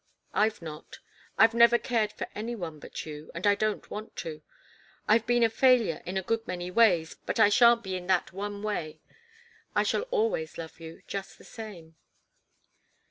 I've not. I've never cared for any one but you, and I don't want to. I've been a failure in a good many ways, but I shan't be in that one way. I shall always love you just the same."